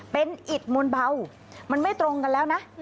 เป็นอิดมนต์เบามันไม่ตรงกันแล้วนะ